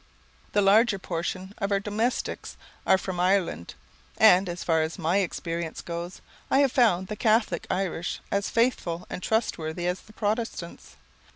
The larger portion of our domestics are from Ireland, and, as far as my experience goes, I have found the Catholic Irish as faithful and trustworthy as the Protestants.